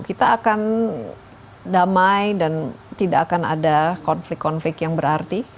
kita akan damai dan tidak akan ada konflik konflik yang berarti